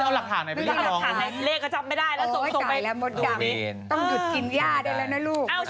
เอ้าช่วงหน้า